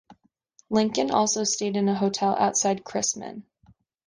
Lincoln also stayed in a hotel outside Chrisman.